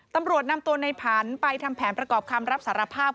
ตำรวจนำตัวในผันไปทำแผนประกอบคำรับสารภาพ